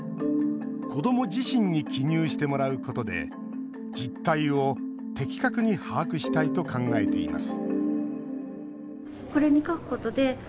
子ども自身に記入してもらうことで実態を的確に把握したいと考えています